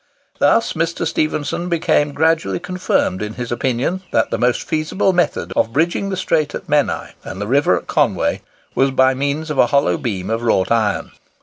Thus, Mr. Stephenson became gradually confirmed in his opinion that the most feasible method of bridging the strait at Menai and the river at Conway was by means of a hollow beam of wrought iron.